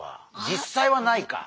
実際はないか。